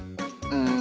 うん？